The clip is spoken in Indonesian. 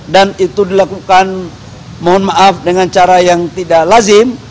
dan itu dilakukan mohon maaf dengan cara yang tidak lazim